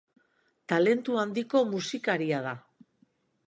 Talendu handiko musikaria da.